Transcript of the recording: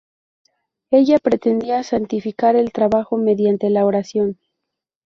Ella pretendía santificar el trabajo mediante la oración.